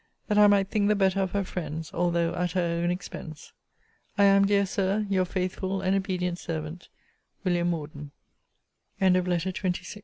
that I might think the better of her friends, although at her own expense. I am, dear Sir, Your faithful and obedient servant, WM. MORDEN. LETTER XXVII COLONEL MORDEN [IN CONTINUATIO